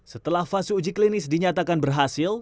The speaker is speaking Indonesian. setelah fase uji klinis dinyatakan berhasil